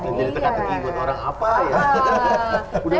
nanti tekan tekin buat orang apa ya